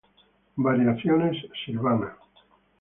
Variaciones: Silvana.